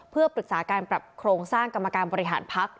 เพื่อปรึกษาการปรับโครงสร้างกรรมการบริหารพัก